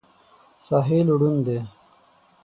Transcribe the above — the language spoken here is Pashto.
ساحل ړوند دی.